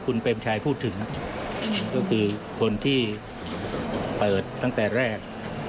คุณเปรมชัยพูดถึงก็คือคนที่เปิดตั้งแต่แรก